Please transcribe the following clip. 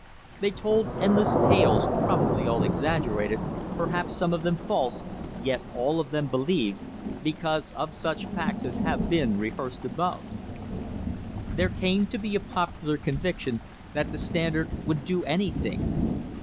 They told endless tales, probably all exaggerated, perhaps some of them false, yet all of them believed, because of such facts as have been rehearsed above. There came to be a popular conviction that the "Standard would do anything."